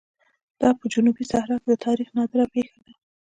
دا په جنوبي صحرا کې د تاریخ نادره پېښه ده.